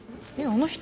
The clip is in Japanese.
あの人？